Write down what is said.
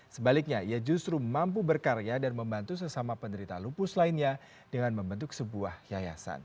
sebaliknya ia justru mampu berkarya dan membantu sesama penderita lupus lainnya dengan membentuk sebuah yayasan